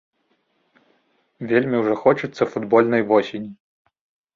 Вельмі ўжо хочацца футбольнай восені.